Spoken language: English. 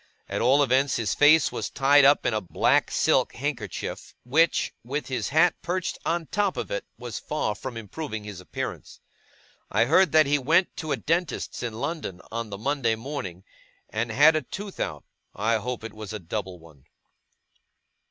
At all events his face was tied up in a black silk handkerchief, which, with his hat perched on the top of it, was far from improving his appearance. I heard that he went to a dentist's in London on the Monday morning, and had a tooth out. I hope it was a double one.